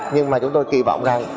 nhưng mà chúng tôi kỳ vọng rằng